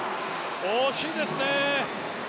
惜しいですね。